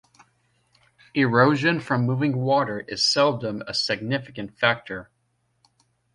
Erosion from moving water is seldom a significant factor.